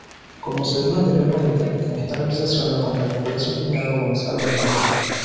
Como se dijo anteriormente, en esta realización lo acompañaría su cuñado Gonzalo Mejía.